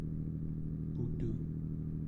putu¹